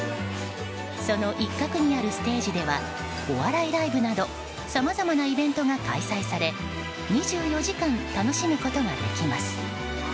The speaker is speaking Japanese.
その一角にあるステージではお笑いライブなどさまざまなイベントが開催され２４時間楽しむことができます。